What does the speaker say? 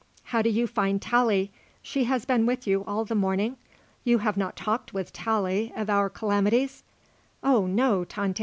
How do you find Tallie? She has been with you all the morning? You have not talked with Tallie of our calamities?" "Oh, no, Tante."